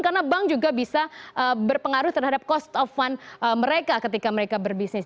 karena bank juga bisa berpengaruh terhadap cost of fun mereka ketika mereka berbisnis